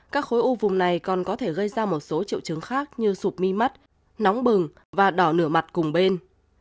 các khối u vùng này còn có thể gây ra một số triệu chứng khác như sụp mi mắt nóng bừng và đỏ nửa mặt cùng bên